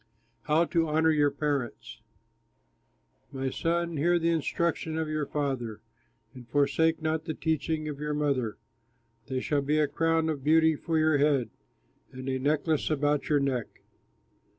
HOW TO HONOR YOUR PARENTS My son, hear the instruction of your father, And forsake not the teaching of your mother; They shall be a crown of beauty for your head, And a necklace about your neck.